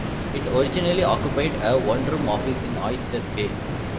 It originally occupied a one-room office in Oyster Bay.